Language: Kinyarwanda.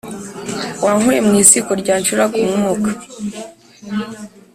Wankuye mu ziko ryancuraga umwuka,